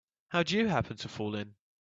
How'd you happen to fall in?